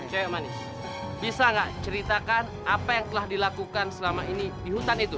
cewek manis bisa nggak ceritakan apa yang telah dilakukan selama ini di hutan itu